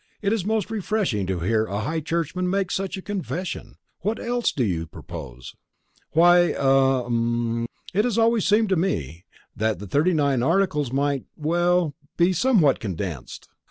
"It is most refreshing to hear a high churchman make such a confession. And what else do you propose?" "Why ah hum it has always seemed to me that the thirty nine articles might well be somewhat condensed."